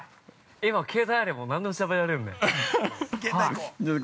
今、携帯あれば、何でも調べられるんで。